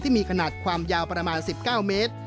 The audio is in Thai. ที่มีขนาดความยาวประมาณ๑๙เมตร